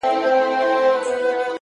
پوهه د شکونو پر ځای رڼا راولي’